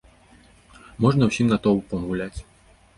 Можна ўсім натоўпам гуляць!